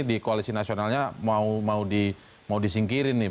di koalisi nasionalnya mau disingkirin nih